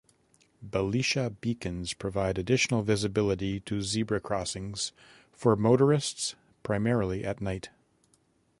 Belisha beacons provide additional visibility to zebra crossings for motorists, primarily at night.